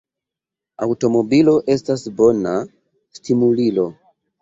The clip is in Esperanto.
Aŭtomobilo estas bona stimulilo.